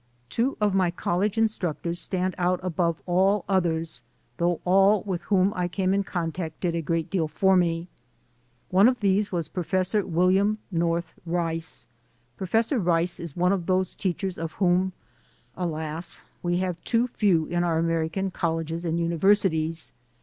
Two of my college instructors stand out above all others, though all with whom I came in contact did a great deal for me. One of these was Professor William North Rice. Professor Rice is one of those MY AMERICAN EDUCATION 177 teachers of whom, alas! we have too few in our American colleges and universities.